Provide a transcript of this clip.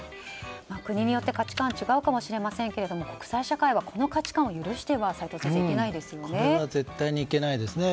国によって価値観は違うかもしれませんけど齋藤先生、国際社会はこの価値観をこれは絶対にいけないですね。